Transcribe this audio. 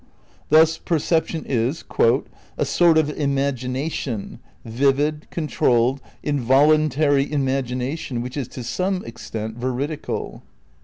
Thus perception is "a sort of imagination — vivid, controlled, involuntary imagina tion, which is to some extent veridical."